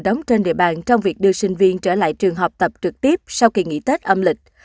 đóng trên địa bàn trong việc đưa sinh viên trở lại trường học tập trực tiếp sau kỳ nghỉ tết âm lịch